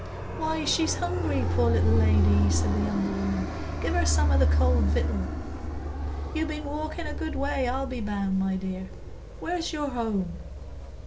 "Why, she's hungry, poor little lady," said the younger woman. "Give her some o' the cold victual. You've been walking a good way, I'll be bound, my dear. Where's your home?"